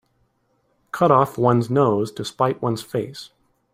Cut off one's nose to spite one's face.